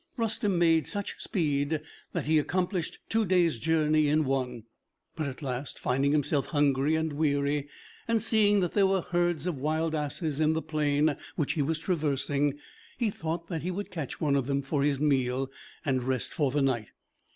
Rustem made such speed that he accomplished two days' journey in one. But at last, finding himself hungry and weary, and seeing that there were herds of wild asses in the plain which he was traversing, he thought that he would catch one of them for his meal, and rest for the night.